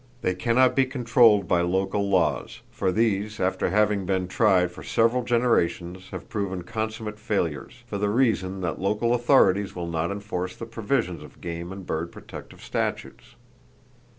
They cannot be controlled by local laws, for these after having been tried for several generations have proven consummate failures, for the reason that local authorities will not enforce the provisions of game and bird protective statutes.